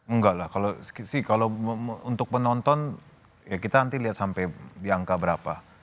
enggak lah kalau untuk penonton ya kita nanti lihat sampai di angka berapa